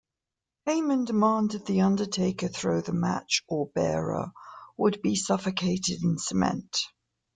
Heyman demanded The Undertaker throw the match or Bearer would be suffocated in cement.